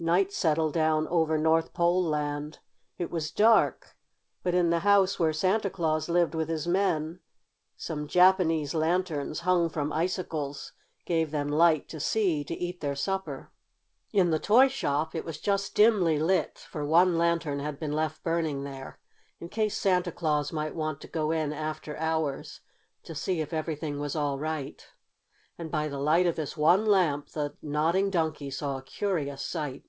Night settled down over North Pole Land. It was dark, but in the house where Santa Claus lived with his men some Japanese lanterns, hung from icicles, gave them light to see to eat their supper. In the toy shop it was just dimly light, for one lantern had been left burning there, in case Santa Claus might want to go in after hours to see if everything was all right. And by the light of this one lamp the Nodding Donkey saw a curious sight.